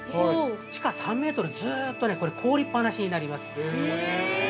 地下３メートルずっと凍りっ放しになります。